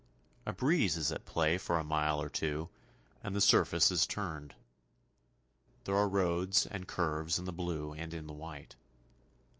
A breeze is at play for a mile or two, and the surface is turned. There are roads and curves in the blue and in the white.